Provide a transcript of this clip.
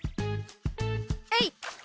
えい。